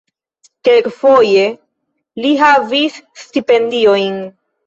Kelkfoje li havis stipendiojn.